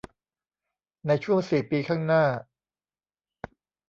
ในช่วงสี่ปีข้างหน้า